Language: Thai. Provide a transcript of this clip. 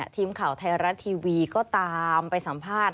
ทีมข่าวไทยรัฐทีวีก็ตามไปสัมภาษณ์